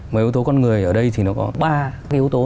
mấy yếu tố con người ở đây thì nó có ba cái yếu tố